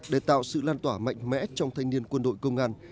để tạo sự lan tỏa mạnh mẽ trong thanh niên quân đội công an